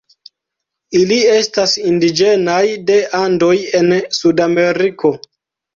Ili estas indiĝenaj de Andoj en Sudameriko.